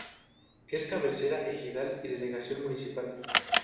Es cabecera ejidal y delegación municipal.